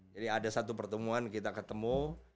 jadi ada satu pertemuan kita ketemu